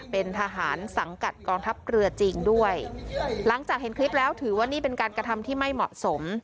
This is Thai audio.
เป็นทหารสังกัดกองทัพเรือจริงด้วยหลังจากเห็นคลิปแล้วถือว่านี่เป็นการกระทำที่ไม่เหมาะสม